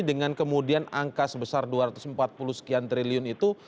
dengan kemudian angka sebesar dua ratus empat puluh sekian triliun itu